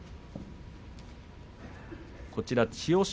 千代翔